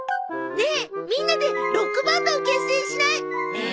ねえみんなでロックバンドを結成しない？え？